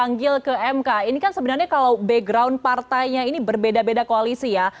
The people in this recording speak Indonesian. dipanggil ke mk ini kan sebenarnya kalau background partainya ini berbeda beda koalisi ya